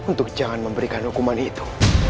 untuk jangan memberikan hukuman itu